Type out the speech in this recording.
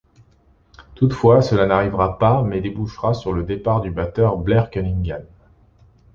Toutefois, cela n'arrivera pas mais débouchera sur le départ du batteur Blair Cunningham.